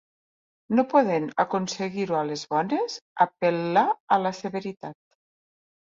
No podent aconseguir-ho a les bones, apel·là a la severitat.